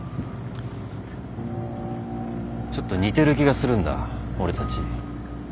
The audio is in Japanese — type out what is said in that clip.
ちょっと似てる気がするんだ俺たち。